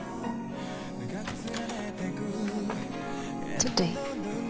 ちょっといい？